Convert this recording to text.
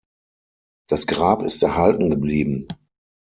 Das Grab ist erhalten geblieben.